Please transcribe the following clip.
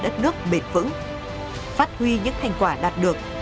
đất nước bền vững phát huy những thành quả đạt được